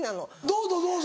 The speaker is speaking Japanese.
どうぞどうぞ。